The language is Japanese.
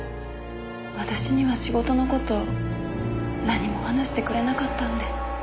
私には仕事の事何も話してくれなかったんで。